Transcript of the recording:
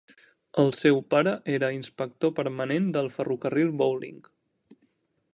El seu pare era inspector permanent del ferrocarril Bowling.